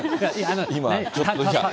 今、ちょっと。